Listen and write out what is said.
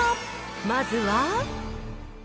まずは。